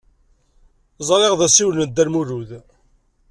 Ẓriɣ d asiwel n Dda Lmulud.